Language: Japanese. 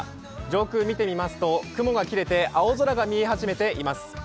上空見てみますと雲が切れて青空が見え始めています。